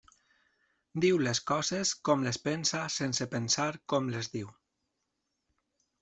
Diu les coses com les pensa sense pensar com les diu.